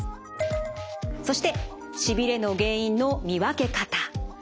そしてしびれの原因の見分け方。